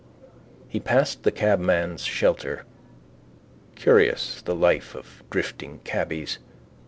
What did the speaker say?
He passed the cabman's shelter. Curious the life of drifting cabbies.